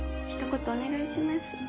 一言お願いします。